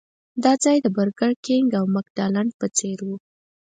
دا ځای د برګر کېنګ او مکډانلډ په څېر و.